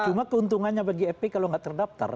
cuma keuntungannya bagi ep kalau nggak terdaftar